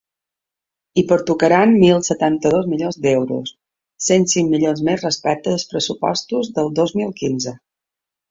Hi pertocaran mil setanta-dos milions d’euros, cent cinc milions més respecte dels pressupostos del dos mil quinze.